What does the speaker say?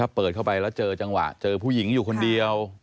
เปิดเข้าไปแล้วเจอจังหวะเจอผู้หญิงอยู่คนเดียว